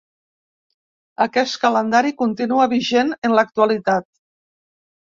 Aquest calendari continua vigent en l'actualitat.